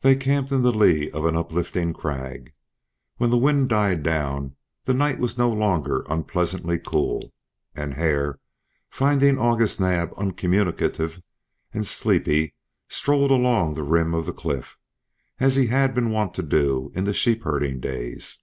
They camped in the lee of an uplifting crag. When the wind died down the night was no longer unpleasantly cool; and Hare, finding August Naab uncommunicative and sleepy, strolled along the rim of the cliff, as he had been wont to do in the sheep herding days.